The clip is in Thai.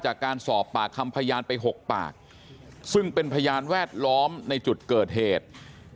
จากการสอบปากคำพยานไป๖ปากซึ่งเป็นพยานแวดล้อมในจุดเกิดเหตุ